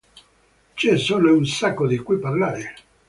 C'è solo un sacco di cui parlare".